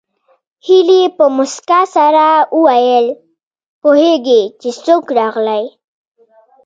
هيلې په مسکا سره وویل پوهېږې چې څوک راغلي